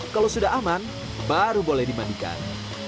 kalau sudah aman baru boleh dimandikan